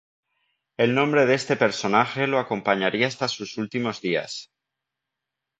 El nombre de este personaje lo acompañaría hasta sus últimos días.